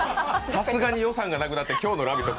さすがに予算がなくなって今日の「ラヴィット！」